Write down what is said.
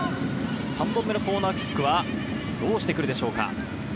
３本目のコーナーキックはどうしてくるでしょうか。